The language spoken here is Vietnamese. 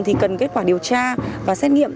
thì cần kết quả điều tra và xét nghiệm